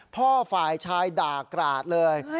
ฝ่ายชายด่ากราดเลย